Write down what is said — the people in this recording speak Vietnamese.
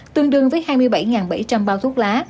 tương đương với hai mươi bảy bảy trăm linh bao thuốc lá